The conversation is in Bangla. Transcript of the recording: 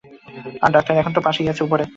আর ডাক্তার এখন তার পাশেই আছে, উপরে।